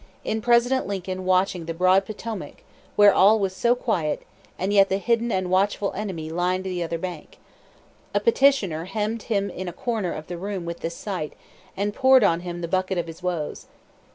in President Lincoln watching the broad Potomac where all was so quiet, and yet the hidden and watchful enemy lined the other bank. A petitioner hemmed him in a corner of the room with this sight, and poured on him the bucket of his woes.